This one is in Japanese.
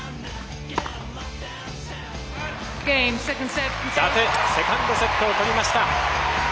伊達、セカンドセットをとりました。